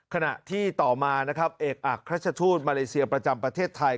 ขณะที่ต่อมานะครับเอกอักราชทูตมาเลเซียประจำประเทศไทย